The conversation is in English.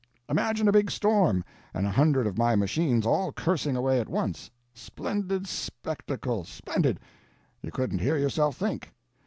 Imagine a big storm, and a hundred of my machines all cursing away at once—splendid spectacle, splendid!—you couldn't hear yourself think.